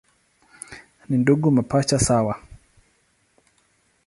Ni ndugu mapacha sawa.